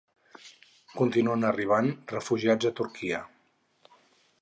Continuen arribant refugiats a Turquia